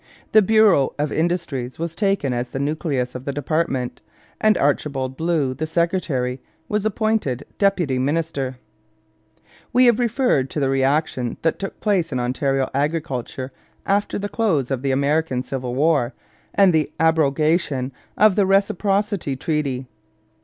The bureau of Industries was taken as the nucleus of the department, and Archibald Blue, the secretary, was appointed deputy minister. We have referred to the reaction that took place in Ontario agriculture after the close of the American Civil War and the abrogation of the reciprocity treaty.